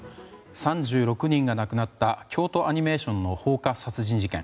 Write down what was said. ３６人が亡くなった京都アニメーションの放火殺人事件。